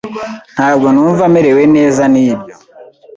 Ntabwo numva merewe neza nibyo.